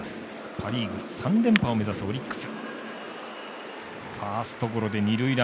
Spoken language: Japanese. パ・リーグ３連覇を目指すオリックス。